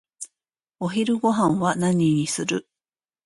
お昼ごはんは何にする？